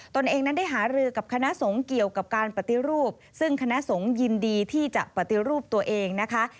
ตัวเองนั้นได้หารือกับคณะสงฆ์เกี่ยวกับการปฏิรูปซึ่งคณะสงฆ์ยินดีที่จะปฏิรูปตัวเองนะคะ